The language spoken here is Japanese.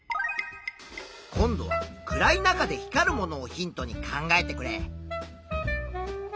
今度は暗い中で光るものをヒントに考えてくれ。